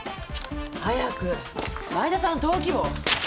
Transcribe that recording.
早く前田さんの登記簿！